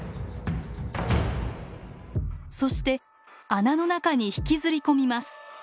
そして穴の中に引きずり込みます。